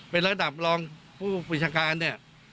เป็นระดับรองผู้บัญชาการเนี่ย